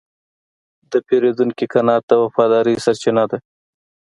د پیرودونکي قناعت د وفادارۍ سرچینه ده.